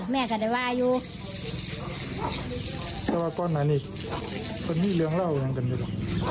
แม่ก็ได้ว่าอยู่แต่ว่าก่อนอันนี้คนที่เรืองเหล้าอยู่นั่งกันด้วย